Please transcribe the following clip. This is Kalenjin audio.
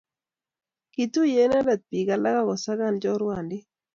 kituye inende biik alak akusakan chorwandit